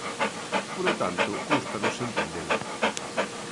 Polo tanto, cústanos entendelo.